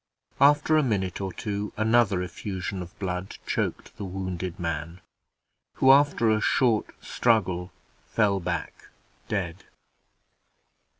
After a minute or two, another effusion of blood choked the wounded man, who, after a short struggle, fell back dead.